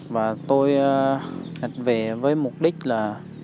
và tôi nhật về với mục đích là